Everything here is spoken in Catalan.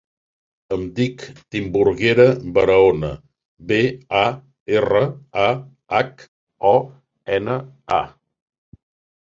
Em dic Timburguera Barahona: be, a, erra, a, hac, o, ena, a.